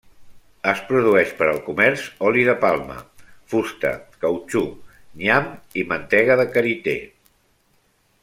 Es produeix per al comerç oli de palma, fusta, cautxú, nyam i mantega de karité.